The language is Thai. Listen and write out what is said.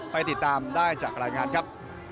ไปติดตามได้จากรายงานครับ